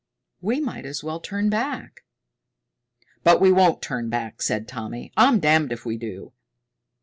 We might as well turn back." "But we won't turn back," said Tommy. "I'm damned if we do."